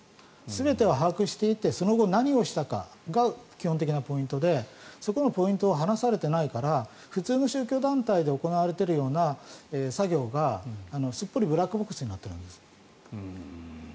全てを把握していてその後、何をしたかが基本的なポイントでそこのポイントを話されていないから普通の宗教団体で行われているような作業がすっぽりブラックボックスになっているんです。